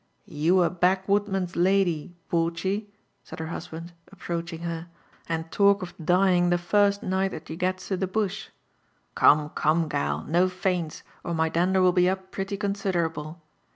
" You a Back woodman's lady, Porchy," said her husband; dp preaching her, "and talk of dying the first night that you gets to the bush ! Come come, gal, no faints, or my dander will be up pretty considerable.